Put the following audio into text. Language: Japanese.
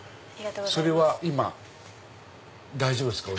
それは今大丈夫ですか？